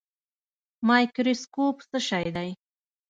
مایکروسکوپ څه شی دی؟